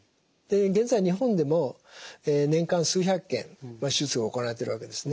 現在日本でも年間数百件手術が行われてるわけですね。